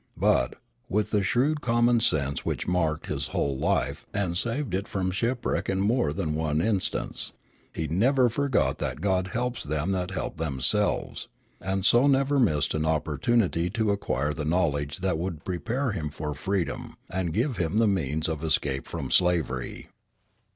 But, with the shrewd common sense which marked his whole life and saved it from shipwreck in more than one instance, he never forgot that God helps them that help themselves, and so never missed an opportunity to acquire the knowledge that would prepare him for freedom and give him the means of escape from slavery.